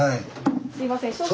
すいません少々。